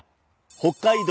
北海道